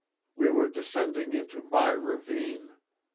We were descending into my ravine!